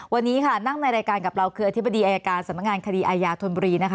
วันนี้ค่ะนั่งในรายการกับเราคืออธิบดีอายการสำนักงานคดีอายาธนบุรีนะคะ